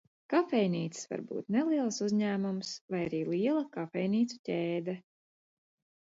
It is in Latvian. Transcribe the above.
Kafejnīcas var būt neliels uzņēmums vai arī liela kafejnīcu ķēde.